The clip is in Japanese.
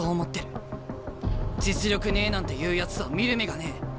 実力ねえなんて言うやつは見る目がねえ。